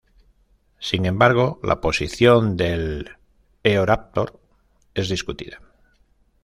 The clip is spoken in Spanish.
Sin embargo la posición del Eoraptor es discutida.